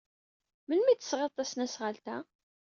Melmi ay d-tesɣid tasnasɣalt-a?